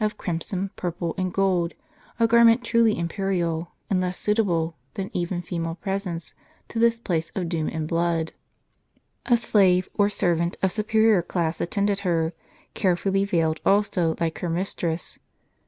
crimson, purple, and gold, a garment truly imperial, and less suitable, than even female presence, to this place of doom and blood. A slave, or servant, of superior class attended her, carefully veiled also, like her mistress.